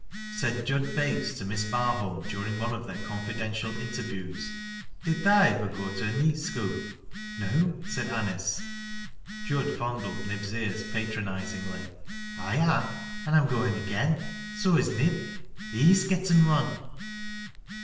Said Jud Bates to Miss Barholm, daring one of theii confidential interviews :" Did tha ivver go to a neet skoo 1 "" No," said Anice. Jud fondled Nib's ears patronizingly. " I ha', an' I'm goin' again. So is Nib. His getteu one."